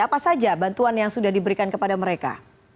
apa saja bantuan yang sudah diberikan kepada mereka